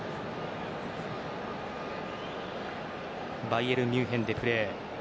バイエルン・ミュンヘンでプレー。